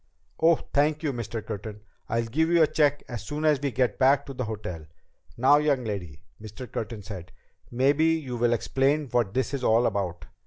"Oh, thank you, Mr. Curtin. I'll give you a check as soon as we get back to the hotel." "Now, young lady," Mr. Curtin said, "maybe you will explain what this is all about."